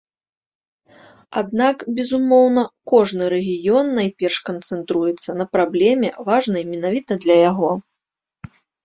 Аднак, безумоўна, кожны рэгіён найперш канцэнтруецца на праблеме, важнай менавіта для яго.